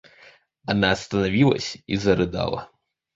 Она остановилась и зарыдала.